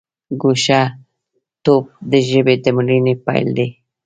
ګوښه توب د ژبې د مړینې پیل دی.